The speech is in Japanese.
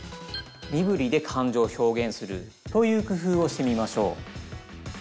身ぶりで感情を表現するというくふうをしてみましょう。